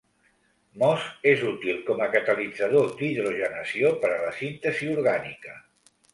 MoS és útil com a catalitzador d'hidrogenació per a la síntesi orgànica.